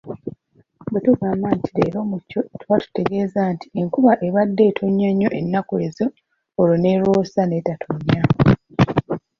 Bwe tugamba nti leero muco tuba tutegeeza nti enkuba ebadde etonnya nnyo ennaku ezo olwo n'erwosa neetetonnya.